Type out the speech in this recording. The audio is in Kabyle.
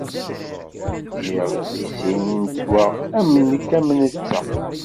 Ziɣ di sin i nettwaɣ, am nekk am netta.